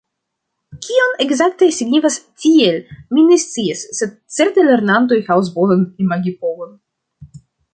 Kion ekzakte signifas 'tiel', mi ne scias, sed certe lernantoj havas bonan imagipovon.